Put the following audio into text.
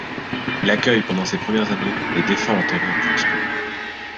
Il accueille pendant ces premières années les défunts enterrés en fosse commune.